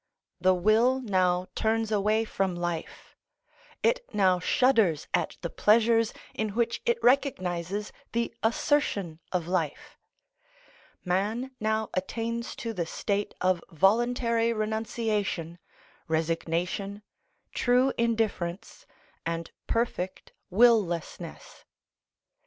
The will now turns away from life; it now shudders at the pleasures in which it recognises the assertion of life. Man now attains to the state of voluntary renunciation, resignation, true indifference, and perfect will lessness.